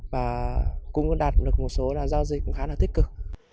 và cũng đạt được một số giao dịch khá là tích cực